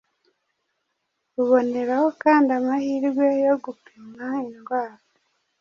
uboneraho kandi amahirwe yo gupimwa indwara